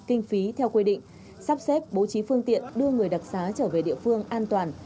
kinh phí theo quy định sắp xếp bố trí phương tiện đưa người đặc xá trở về địa phương an toàn